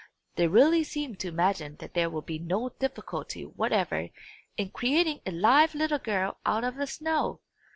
They really seemed to imagine that there would be no difficulty whatever in creating a live little girl out of the snow.